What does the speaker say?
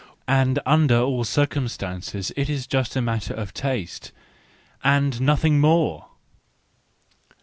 And under all circumstances it is just a matter of taste—and nothing more